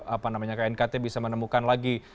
apa namanya knkt bisa menemukan lagi